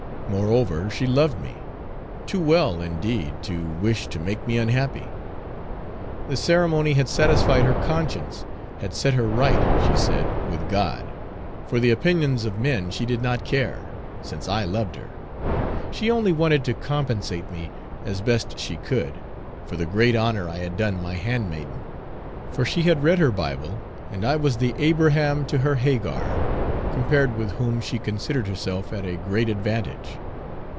Moreover, she loved me, too well, indeed, to wish to make me unhappy. The ceremony had satisfied her conscience, had set her right, she said, with God; for the opinions of men she did not care, since I loved her, she only wanted to compensate me, as best she could, for the great honor I had done my handmaiden, for she had read her Bible, and I was the Abraham to her Hagar, compared with whom she considered herself at a great advantage.